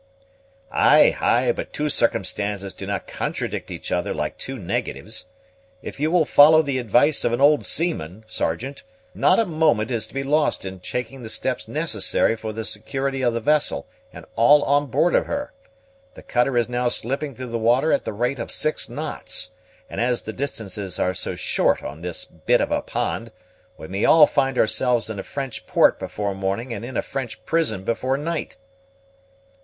"Ay, ay, but two circumstances do not contradict each other like two negatives. If you will follow the advice of an old seaman, Sergeant, not a moment is to be lost in taking the steps necessary for the security of the vessel and all on board of her. The cutter is now slipping through the water at the rate of six knots, and as the distances are so short on this bit of a pond, we may all find ourselves in a French port before morning, and in a French prison before night."